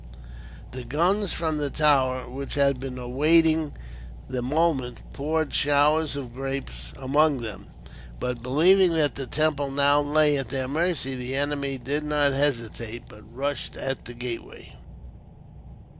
The guns from the tower, which had been awaiting the moment, poured showers of grape among them; but, believing that the temple now lay at their mercy, the enemy did not hesitate, but rushed at the gateway.